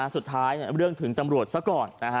สุดท้ายเรื่องถึงตำรวจซะก่อน